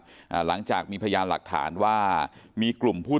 ต้องต้องสงสัยนะครับหลังจากมีพยานหลักฐานว่ามีกลุ่มผู้